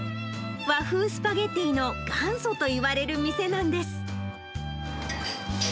和風スパゲティの元祖といわれる店なんです。